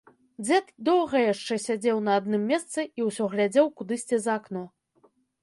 Дзед доўга яшчэ сядзеў на адным месцы і ўсё глядзеў кудысьці за акно.